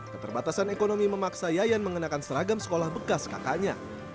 keterbatasan ekonomi memaksa yayan mengenakan seragam sekolah bekas kakaknya